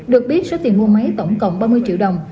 được biết số tiền mua máy tổng cộng ba mươi triệu đồng